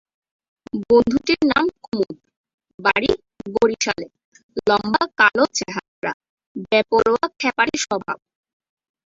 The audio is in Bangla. বন্ধুটির নাম কুমুদ, বাড়ি বরিশালে, লম্বা কালো চেহারা, বেপরোয়া খ্যাপাটে স্বভাব।